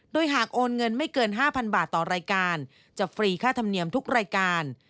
โดยหากโอนเงินไม่เกิน๕๐๐บาทต่อรายการจะฟรีค่าธรรมเนียมทุกรายการ